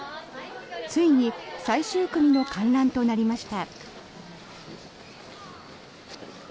ついに最終組の観覧となりました。